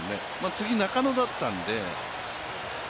次、中野だったんで。